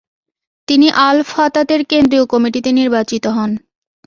তিনি আল-ফাতাতের কেন্দ্রীয় কমিটিতে নির্বাচিত হন।